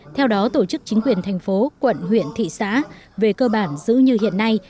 theo đó tổ chức chính quyền thành phố quận huyện thị xã về cơ bản giữ như hiện nay